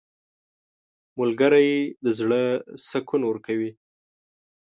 • ملګری د زړه سکون ورکوي.